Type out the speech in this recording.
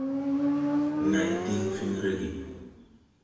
Này diŋ fen rege.